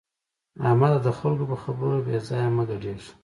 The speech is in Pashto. احمده! د خلګو په خبرو بې ځایه مه ګډېږه.